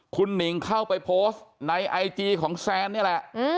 คุณหนิงเข้าไปโพสต์ในไอจีของแซนนี่แหละ